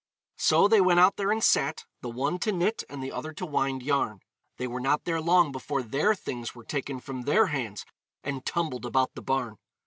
So they went out there and sat, the one to knit and the other to wind yarn. They were not there long before their things were taken from their hands and tumbled about the barn.